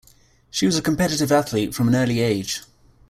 She was a competitive athlete from an early age.